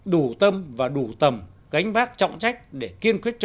đủ tâm và đủ tầm gánh vác trọng trách để kiên quyết